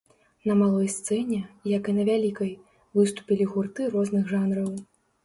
На малой сцэне, як і на вялікай, выступілі гурты розных жанраў.